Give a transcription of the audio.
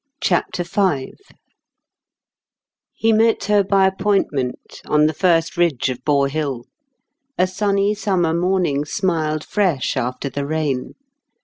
CHAPTER V He met her by appointment on the first ridge of Bore Hill. A sunny summer morning smiled fresh after the rain.